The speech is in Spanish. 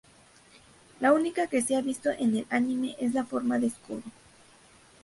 La única que se ha visto en el anime, es la forma de escudo.